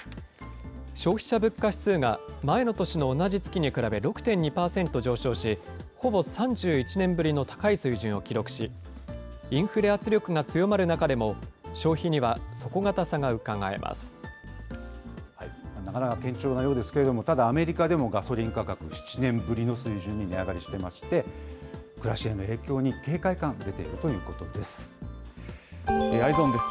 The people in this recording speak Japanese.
消費者物価指数が前の年の同じ月に比べ、６．２％上昇し、ほぼ３１年ぶりの高い水準を記録し、インフレ圧力が強まる中でも、なかなか堅調なようですけれども、ただ、アメリカでもガソリン価格、７年ぶりの水準に値上がりしてまして、暮らしへの影響に警戒感、Ｅｙｅｓｏｎです。